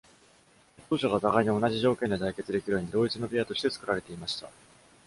決闘者が互いに同じ条件で対決できるように同一のペアとして作られていました。